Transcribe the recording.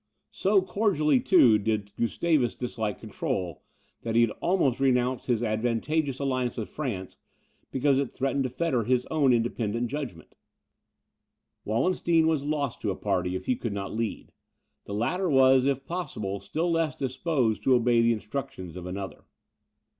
So cordially, too, did Gustavus dislike control, that he had almost renounced his advantageous alliance with France, because it threatened to fetter his own independent judgment. Wallenstein was lost to a party, if he could not lead; the latter was, if possible, still less disposed to obey the instructions of another.